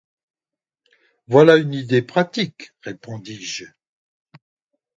Voilà une idée pratique, répondis-je.